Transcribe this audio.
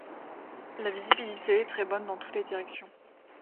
La visibilité est très bonne dans toutes les directions.